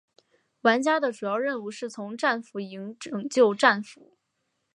玩家的主要任务是从战俘营拯救战俘。